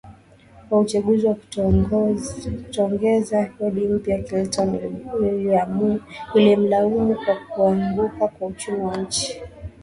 wa uchaguzi ya kutoongeza kodi mpya Clinton alimlaumu kwa kuanguka kwa uchumi wa nchi